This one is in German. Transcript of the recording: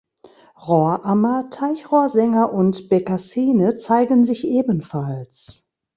Rohrammer, Teichrohrsänger und Bekassine zeigen sich ebenfalls.